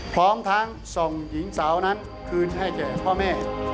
พร้อมทั้งส่งหญิงสาวนั้นคืนให้แก่พ่อแม่